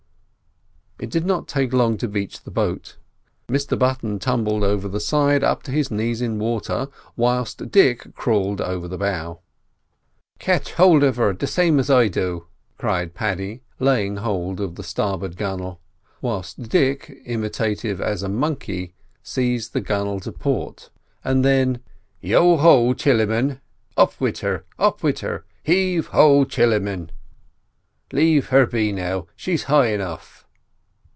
It did not take long to beach the boat. Mr Button tumbled over the side up to his knees in water, whilst Dick crawled over the bow. "Catch hould of her the same as I do," cried Paddy, laying hold of the starboard gunwale; whilst Dick, imitative as a monkey, seized the gunwale to port. Now then: "'Yeo ho, Chilliman, Up wid her, up wid her, Heave O, Chilliman.' "Lave her be now; she's high enough."